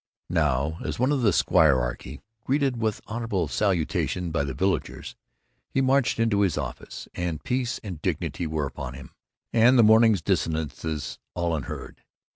Now, as one of the squirearchy, greeted with honorable salutations by the villagers, he marched into his office, and peace and dignity were upon him, and the morning's dissonances all unheard.